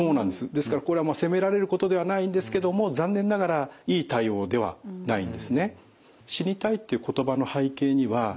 ですからこれは責められることではないんですけども残念ながらいい対応ではないんですね。